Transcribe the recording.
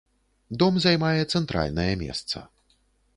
Дом займае цэнтральнае месца.